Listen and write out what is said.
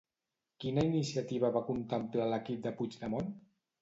Quina iniciativa va contemplar l'equip de Puigdemont?